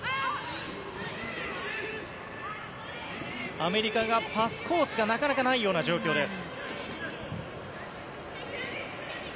アメリカがパスコースがなかなかないような状況です。